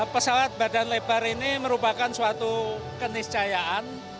pesawat badan lebar ini merupakan suatu keniscayaan